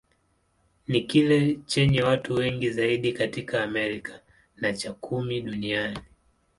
Ni kile chenye watu wengi zaidi katika Amerika, na cha kumi duniani.